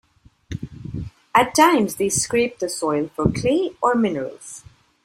At times, they scrape the soil for clay or minerals.